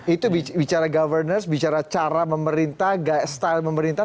itu bicara governance bicara cara pemerintah style pemerintah